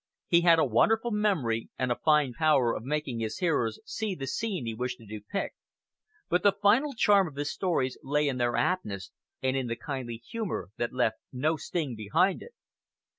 He had a wonderful memory, and a fine power of making his hearers see the scene he wished to depict; but the final charm of his stories lay in their aptness, and in the kindly humor that left no sting behind it.